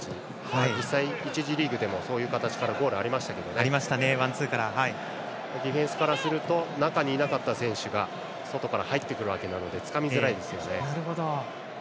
実際、１次リーグでもそういう形でゴールがありましたがディフェンスからすると中にいなかった選手が外から入ってくるのでつかみづらいですよね。